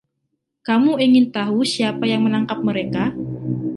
Kamu ingin tahu siapa yang menangkap mereka?